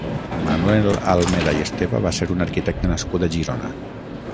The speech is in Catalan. Manuel Almeda i Esteva va ser un arquitecte nascut a Girona.